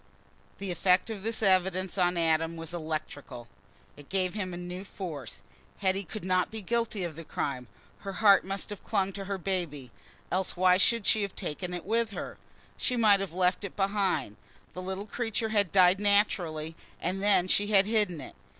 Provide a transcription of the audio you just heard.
The effect of this evidence on Adam was electrical; it gave him new force. Hetty could not be guilty of the crime—her heart must have clung to her baby—else why should she have taken it with her? She might have left it behind. The little creature had died naturally, and then she had hidden it.